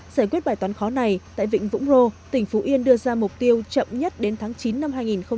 giải quyết bài toán khó này tại vịnh vũng rô tỉnh phú yên đưa ra mục tiêu chậm nhất đến tháng chín năm hai nghìn hai mươi